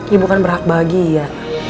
ibu kan berhak bagi iya